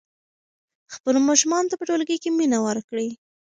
خپلو ماشومانو ته په ټولګي کې مینه ورکړئ.